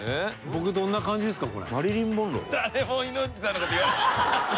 「俺どんな感じですか？」